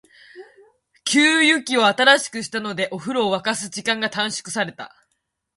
給湯器を新しくしたので、お風呂を沸かす時間が短縮された。